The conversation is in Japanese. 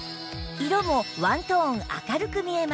色もワントーン明るく見えます